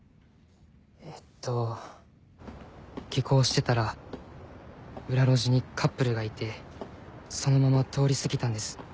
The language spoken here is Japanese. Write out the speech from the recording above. えっと下校してたら裏路地にカップルがいてそのまま通り過ぎたんです。